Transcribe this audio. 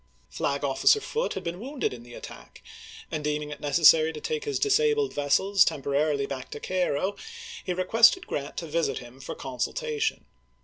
Flag officer Foote had been wounded in the attack, and deem ing it necessary to take his disabled vessels tem 196 ABRAHAM LINCOLN Chap. XL porarily back to Caii'o, he requested Grant to visit him for consultation.